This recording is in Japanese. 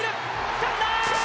つかんだ！